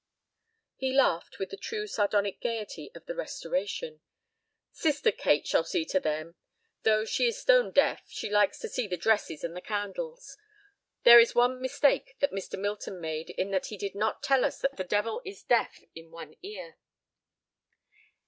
He laughed with the true sardonic gayety of the Restoration. "Sister Kate shall see to them. Though she is stone deaf she likes to see the dresses and the candles. There is one mistake that Mr. Milton made in that he did not tell us that the devil is deaf in one ear."